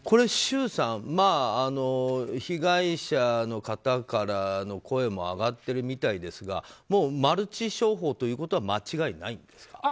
周さん、被害者の方からの声も上がっているみたいですがもうマルチ商法ということは間違いないんですか？